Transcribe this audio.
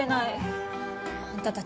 あんたたち正気？